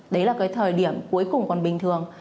đấy là cái thời điểm cuối cùng còn bình thường